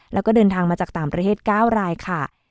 แล้วก็เดินทางมาจากต่างประเทศ๙รายค่ะ